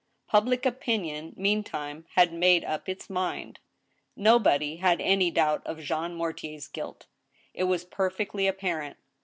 Public opinion, meantime, had made up its mind. Nobody had any doubt of Jean Mortier's guilt. It was perfect ly apparent.